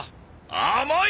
甘い！